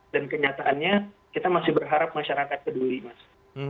dan kenyataannya kita masih berharap masyarakat peduli mas